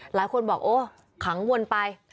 หลายคนบอกโอ้ขังวนไป